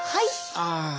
ああ。